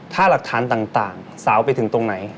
ถ้าหลักฐานต่างสาวไปถึงตรงไหน